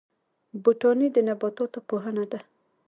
بوټاني د نباتاتو پوهنه ده